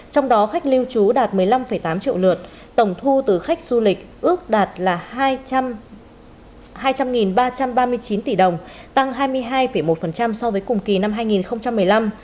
trong đó khách lưu trú đạt một mươi năm tám triệu lượt tổng thu từ khách du lịch ước đạt là hai trăm linh ba trăm ba mươi chín tỷ đồng tăng hai mươi hai một so với cùng kỳ năm hai nghìn một mươi năm